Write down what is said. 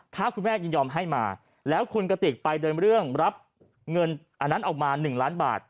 ถ้าคุณแม่ยินยอมให้มาแล้วคุณกติกไปเดินเรื่องรับเงินอันนั้นออกมา๑ล้านบาท